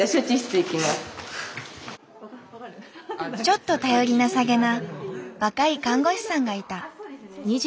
ちょっと頼りなさげな若い看護師さんがいた。